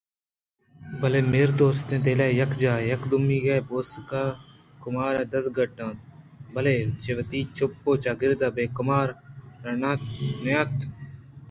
بلئے مہر ءُدوستی ءِدل یکجاہ ءُیکے دومی ءِ بوسگ ءُکمار ءَ دزگٹّ اِت اَنت بلئے چہ وتی چپ ءُچاگرد ءَ بے کما ر نہ اِت اَنت